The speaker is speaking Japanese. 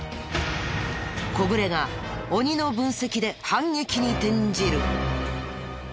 小暮が鬼の分析で反撃に転じる。